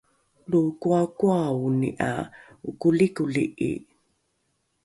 lo koakoaoni ’a okolikoli’i